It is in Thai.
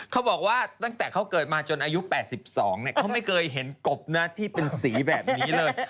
เขาบอกว่าตั้งแต่เขาเกิดมาจนอายุ๘๒เขาไม่เคยเห็นกบนะที่เป็นสีแบบนี้เลย